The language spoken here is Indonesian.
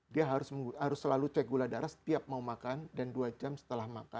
dia harus selalu cek gula darah setiap mau makan dan dua jam setelah makan